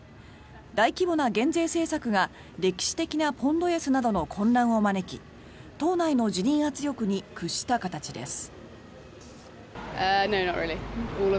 大規模な減税政策が歴史的なポンド安などの混乱を招き、党内の辞任圧力に屈した形です。